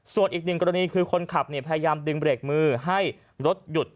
ส่วนอีกหนึ่งกรณีคือคนขับพยายามดึงเบรกมือให้รถหยุด